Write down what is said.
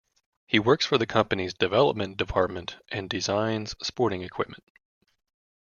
He works for the company's development department and designs sporting equipment.